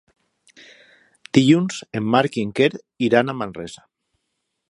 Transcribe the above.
Dilluns en Marc i en Quer iran a Manresa.